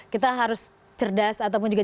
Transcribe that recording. kita harus cerdas ataupun juga